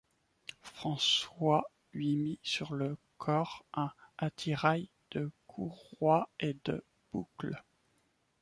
François lui mit sur le corps un attirail de courroies et de boucles.